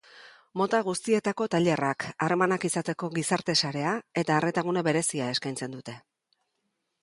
Mota guztietako tailerrak, harremanak izateko gizarte sarea eta arreta-gune berezia eskaintzen dute.